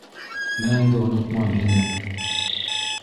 - Мәңге онотмам һине...